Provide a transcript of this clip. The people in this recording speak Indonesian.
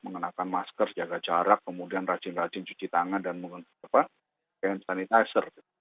mengenakan masker jaga jarak kemudian rajin rajin cuci tangan dan hand sanitizer